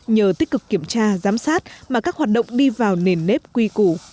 nhờ tích cực kiểm tra giám sát mà các hoạt động đi vào nền nếp quy củ